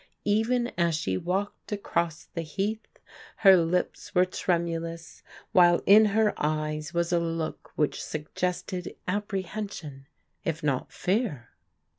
Even as she walked across the Heath her lips were tremulous while in her eyes was a look which suggested apprehension, if not fear.